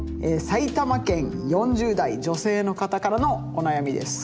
埼玉県４０代女性の方からのお悩みです。